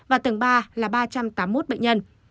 và tầng ba là ba trăm tám mươi một bệnh nhân